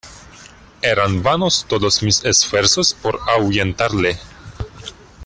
eran vanos todos mis esfuerzos por ahuyentarle: